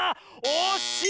おっしい！